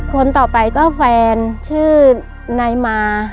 คนต่อไปก็แฟนชื่อนายมา